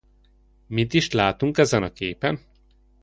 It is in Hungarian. Mit is látunk ezen a képen?